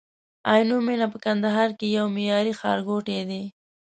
عینومېنه په کندهار کي یو معیاري ښارګوټی دی